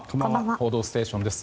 「報道ステーション」です。